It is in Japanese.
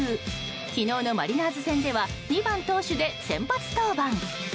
昨日のマリナーズ戦では２番投手で先発登板。